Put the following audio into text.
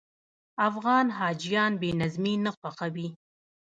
افغان حاجیان بې نظمي نه خوښوي.